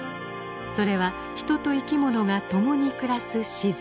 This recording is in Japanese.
それは人と生き物がともに暮らす自然。